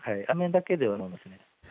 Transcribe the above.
雨だけではないと思いますね。